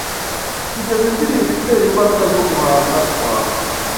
kugeza indirimbo itera imbaraga zo guhanga kwawe